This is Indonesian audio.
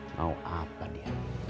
mau apa dia